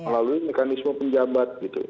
melalui mekanisme penjabat gitu